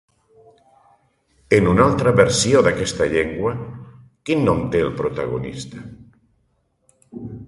En una altra versió d'aquesta llegenda, quin nom té el protagonista?